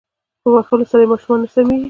په وهلو سره ماشومان نه سمیږی